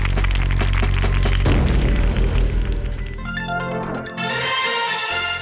โปรดติดตามตอนต่อไป